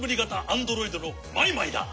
アンドロイドのマイマイだ。